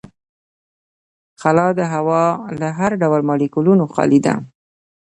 خلا د هوا له هر ډول مالیکولونو خالي ده.